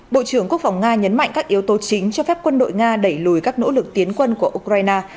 bộ trưởng quốc phòng nga nhấn mạnh các yếu tố chính cho phép quân đội nga đẩy lùi các nỗ lực tiến quân của ukraine